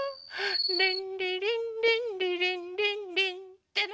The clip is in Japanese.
「リンリリンリンリリンリンリン」ってね。